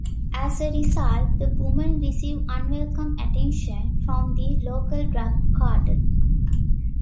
As a result, the women receive unwelcome attention from the local drug cartel.